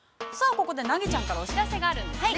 ここでナギちゃんからお知らせがあるんですよね。